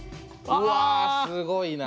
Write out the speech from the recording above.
うわすごいな！